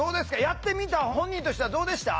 やってみた本人としてはどうでした？